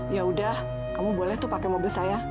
ya sudah kamu boleh pakai mobil saya